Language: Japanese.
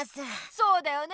そうだよね！